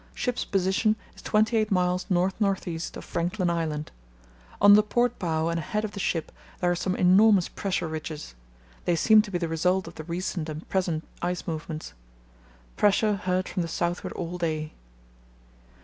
Ship's position is twenty eight miles north north east of Franklin Island. On the port bow and ahead of the ship there are some enormous pressure ridges; they seem to be the results of the recent and present ice movements. Pressure heard from the southward all day.